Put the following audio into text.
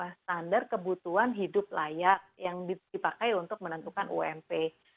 standar kebutuhan hidup layak yang dipakai untuk menentukan ump